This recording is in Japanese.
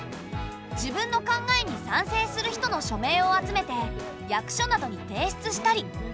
自分の考えに賛成する人の署名を集めて役所などに提出したり。